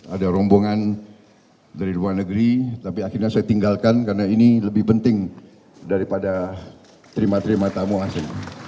ada rombongan dari luar negeri tapi akhirnya saya tinggalkan karena ini lebih penting daripada terima terima tamu asing